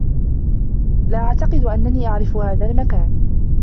لا أعتقد أنّني أعرف هذا المكان.